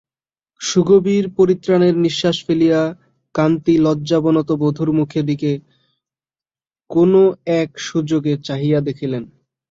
সুগভীর পরিত্রাণের নিশ্বাস ফেলিয়া কান্তি লজ্জাবনত বধূর মুখের দিকে কোনো এক সুযোগে চাহিয়া দেখিলেন।